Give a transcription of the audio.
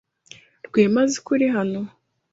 Rwema azi ko uri hano?